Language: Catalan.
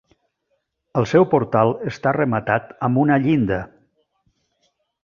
El seu portal està rematat amb una llinda.